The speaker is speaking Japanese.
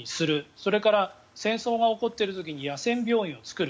それから戦争が起こっている時に野戦病院を作る。